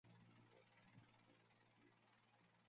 退役后他曾经担任上海中纺机等乙级球队的助理教练。